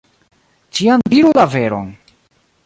Ĉiam diru la veron!